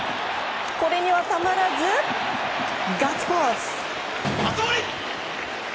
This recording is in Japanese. これにはたまらずガッツポーズ。